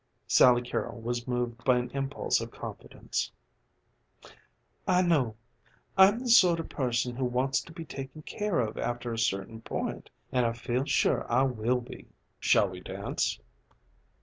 Sally Carrol was moved by an impulse of confidence. "I know. I'm the sort of person who wants to be taken care of after a certain point, and I feel sure I will be." "Shall we dance?